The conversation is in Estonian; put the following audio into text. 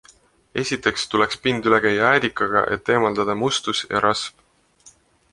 Esiteks tuleks pind üle käia äädikaga, et eemaldada mustus ja rasv.